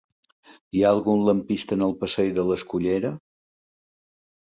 Hi ha algun lampista a la passeig de l'Escullera?